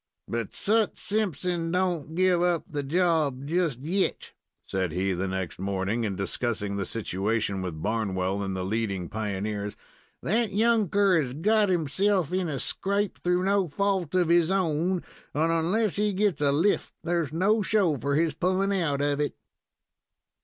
"But Sut Simpson don't give up the job just yet," said he, the next morning, in discussing the situation with Barnwell and the leading pioneers. "That younker has got himself in a scrape, through no fault of his own, and onless he gets a lift there's no show for his pullin' out of it."